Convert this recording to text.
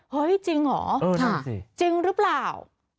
เฮ้ยจริงเหรอจริงหรือเปล่า